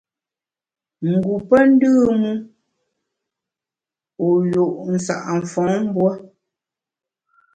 Ngu pe ndùm u, wu nju’ sa’ mfom mbuo.